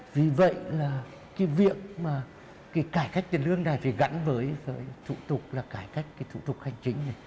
vì vậy là việc cải cách tiền lương này phải gắn với thủ tục là cải cách thủ tục hành chính